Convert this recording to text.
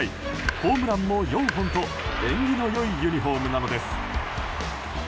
ホームランも４本と縁起の良いユニホームなのです。